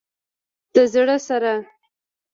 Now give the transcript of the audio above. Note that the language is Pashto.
د زړه سره